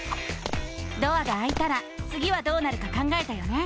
ドアがあいたらつぎはどうなるか考えたよね？